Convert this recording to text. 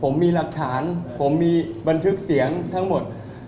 ผมมีหลักฐานผมมีบันทึกเสียงทั้งหมด